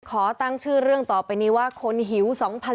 ขอตั้งชื่อเรื่องต่อไปนี้ว่าคนหิว๒๐๑๘